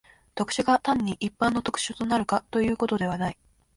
特殊が単に一般の特殊となるとかいうことではない。